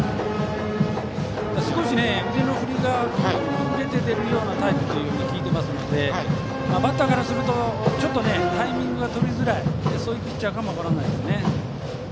少し腕の振りが遅れて出るようなタイプだと聞いていますのでバッターからするとちょっとタイミングがとりづらいピッチャーかもしれませんね。